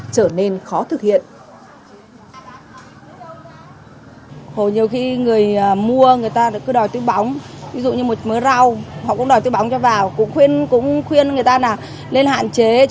trở nên khó thực hiện